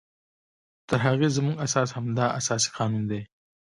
تر هغې زمونږ اساس همدا اساسي قانون دی